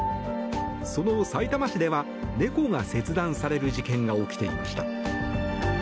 そのさいたま市では猫が切断される事件が起きていました。